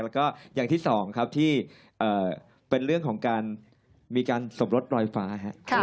แล้วก็อย่างที่สองครับที่เป็นเรื่องของการมีการสมรสรอยฟ้า